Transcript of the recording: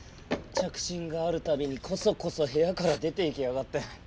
着信があるたびにこそこそ部屋から出て行きやがって。